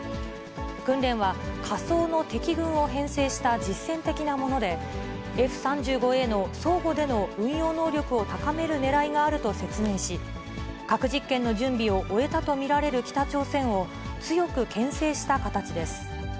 訓練は、仮想の敵軍を編成した実戦的なもので、Ｆ３５Ａの相互での運用能力を高めるねらいがあると説明し、核実験の準備を終えたと見られる北朝鮮を、強くけん制した形です。